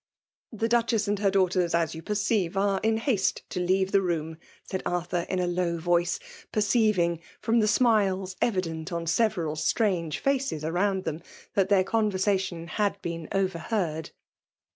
*'''* The Duchess and her daughters, as you perceive, are in haste to leave the room/* said Arthur in a low voice, perceiving, from the smiles evident on several strange faces around them, that iEeir conversation had been over heard.